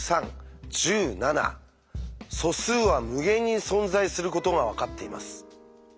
素数は無限に存在することが分かっています。